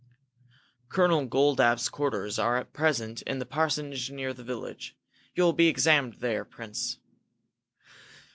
"Colonel Goldapp's quarters are at present in the parsonage near the village. You will be examined there, Prince.